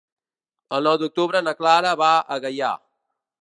El nou d'octubre na Clara va a Gaià.